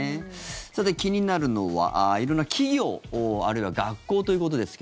さて、気になるのは色んな企業あるいは学校ということですが。